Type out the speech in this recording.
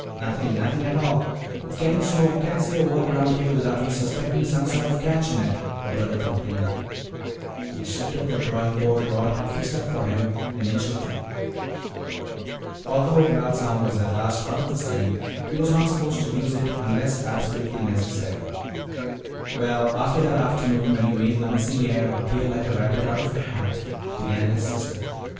"Nothing, nothing at all. It's getting so I can't say a word around here without you suspecting some sort of a catch in it," her brother complained. He shifted the drawing board Rod had fixed up for him an inch or two. Although Val's arm was at last out of the sling, he was not supposed to use it unless absolutely necessary. "Well, after that afternoon when you made the missing heir appear like a rabbit out of a hat " began his sister.